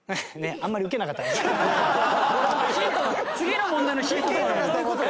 次の問題のヒントかなと。